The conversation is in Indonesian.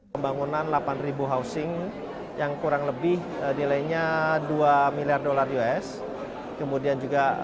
pembangunan delapan jasa kesehatan